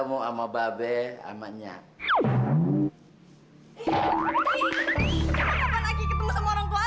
kurus kayak gitu